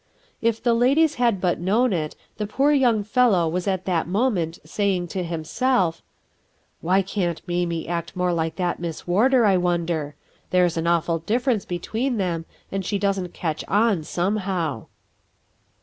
If the ladies had but known it, the poor young fellow was at that moment saying to himself: — "Why can't Mamie act more like that Miss Warder, I wonder? There's an awful difference between them, and she doesn't catch on, some how."